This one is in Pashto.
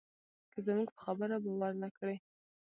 که زموږ په خبره باور نه کړې.